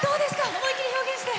思い切り表現して。